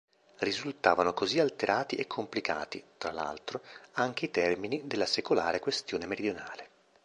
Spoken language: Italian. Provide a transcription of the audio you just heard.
Risultavano così alterati e complicati, tra l'altro, anche i termini della secolare questione meridionale.